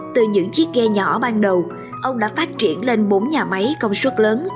từ những chiếc ghe nhỏ ban đầu ông đã phát triển lên bốn nhà máy công suất lớn